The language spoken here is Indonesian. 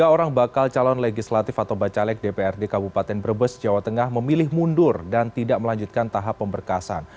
tiga orang bakal calon legislatif atau bacalek dprd kabupaten brebes jawa tengah memilih mundur dan tidak melanjutkan tahap pemberkasan